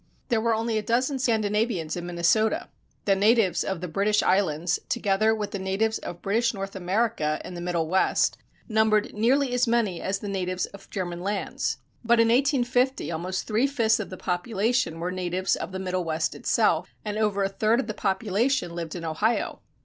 There were only a dozen Scandinavians in Minnesota. The natives of the British Islands, together with the natives of British North America in the Middle West, numbered nearly as many as the natives of German lands. But in 1850 almost three fifths of the population were natives of the Middle West itself, and over a third of the population lived in Ohio.